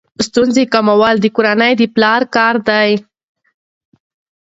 ستونزې کمول د کورنۍ د پلار کار دی.